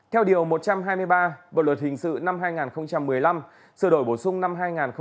theo điều một trăm hai mươi ba bộ luật hình sự năm hai nghìn một mươi năm sửa đổi bổ sung năm hai nghìn một mươi bảy